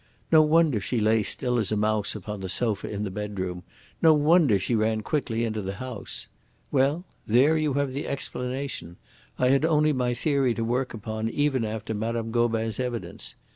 No wonder she lay still as a mouse upon the sofa in the bedroom. No wonder she ran quickly into the house. Well, there you have the explanation. I had only my theory to work upon even after Mme. Gobin's evidence.